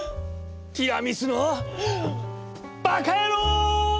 ティラミスのバカ野郎！